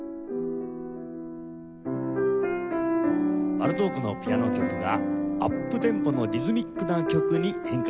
バルトークのピアノ曲がアップテンポのリズミックな曲に変化しております。